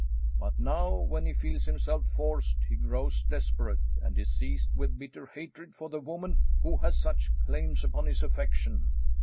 But now, when he feels himself forced, he grows desperate, and is seized with bitter hatred for the woman who has such claims upon his affection.